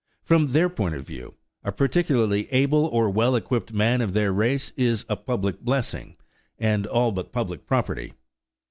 From their point of view, a particularly able or well equipped man of their race is a public blessing, and all but public property.